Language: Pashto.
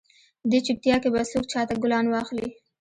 دې چوپیتا کې به څوک چاته ګلان واخلي؟